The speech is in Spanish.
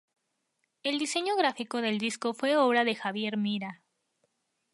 El diseño gráfico del disco fue obra de Javier Mira.